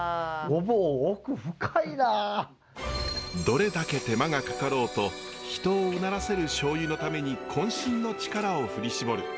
どれだけ手間がかかろうと人をうならせるしょうゆのためにこん身の力を振り絞る。